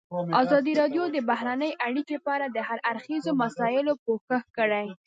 ازادي راډیو د بهرنۍ اړیکې په اړه د هر اړخیزو مسایلو پوښښ کړی.